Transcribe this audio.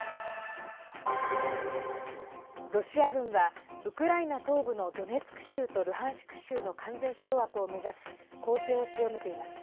ロシア軍は、ウクライナ東部のドネツク州とルハンシク州の完全掌握を目指し攻勢を強めています。